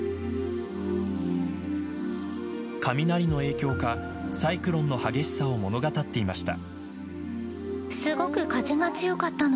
雷の影響かサイクロンの激しさを物語っていました。